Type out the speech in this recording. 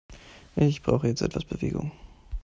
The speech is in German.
Ich brauche jetzt etwas Bewegung.